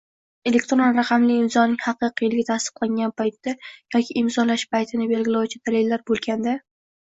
elektron raqamli imzoning haqiqiyligi tasdiqlangan paytda yoki imzolash paytini belgilovchi dalillar bo‘lganda